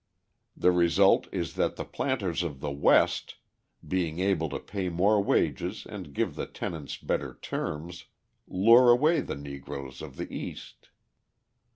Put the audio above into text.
The result is that the planters of the West, being able to pay more wages and give the tenants better terms, lure away the Negroes of the East.